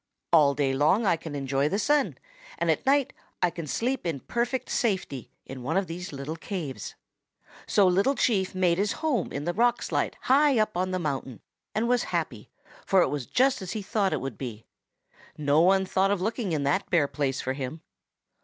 All day long I can enjoy the sun, and at night I can sleep in perfect safety in one of these little caves.' "So Little Chief made his home in the rock slide high up on the mountain and was happy, for it was just as he thought it would be no one thought of looking in that bare place for him.